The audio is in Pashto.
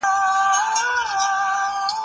یوسف عليه السلام او د هغه پلار يعقوب عليه السلام.